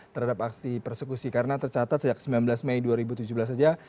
terhadap aksi persekusi karena tercatat sejak sembilan belas mei dua ribu tujuh belas saja